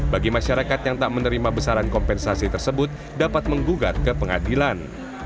bagi masyarakat yang tak menerima besaran kompensasi tersebut dapat menggugat ke pengadilan